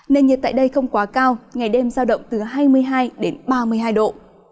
nền nhiệt tại đây không quá cao ngày đêm ra động từ hai mươi hai ba mươi hai độ